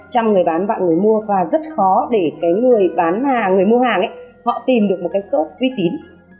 trăm người bán và người mua và rất khó để cái người bán mà người mua hàng ấy họ tìm được một cái số uy tín